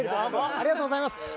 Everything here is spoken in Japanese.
ありがとうございます。